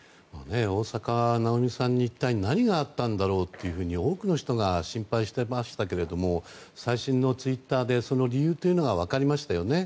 大坂なおみさんに一体何があったんだろうと多くの人が心配していましたが最新のツイッターでその理由というのは分かりましたよね。